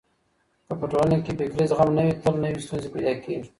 که په ټولنه کي فکري زغم نه وي تل نوې ستونزې پيدا کېږي.